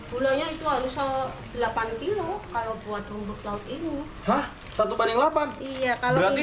gulanya itu harus delapan kg kalau buat rumput laut ini